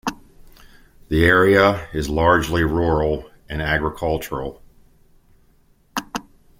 The area is largely rural and agricultural.